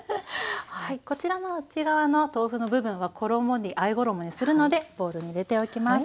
こちらの内側の豆腐の部分はあえ衣にするのでボウルに入れておきます。